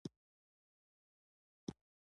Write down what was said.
د ماشوم د قد د لوړیدو لپاره باید څه ورکړم؟